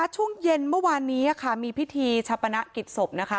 ช่วงเย็นเมื่อวานนี้ค่ะมีพิธีชะปณะกิจศพนะคะ